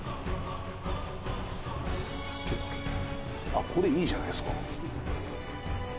あっこれいいじゃないですか。